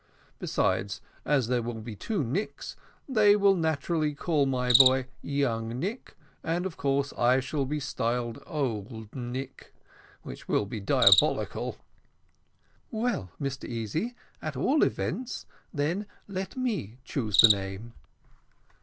Besides, as there will be two Nicks, they will naturally call my boy young Nick, and of course I shall be styled old Nick, which will be diabolical." "Well, Mr Easy, at all events then let me choose the name."